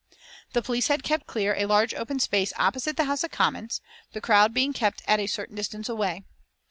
The police had kept clear a large open space opposite the House of Commons, the crowd being kept at a certain distance away.